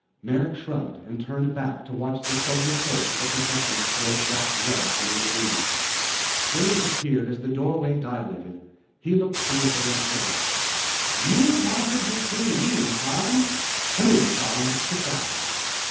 Merrick shrugged and turned back to watch the steady approach of the procession of grey frocked zealots in the ravine. Graves appeared as the doorway dilated. He looked fearful and pale. "You wanted to see me, Han?" "Come in, Jon. Sit down."